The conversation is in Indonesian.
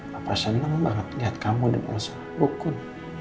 papa senang banget lihat kamu dan merasa rukun